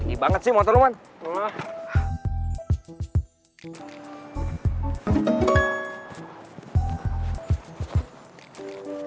ikut sampe kalo temennya aku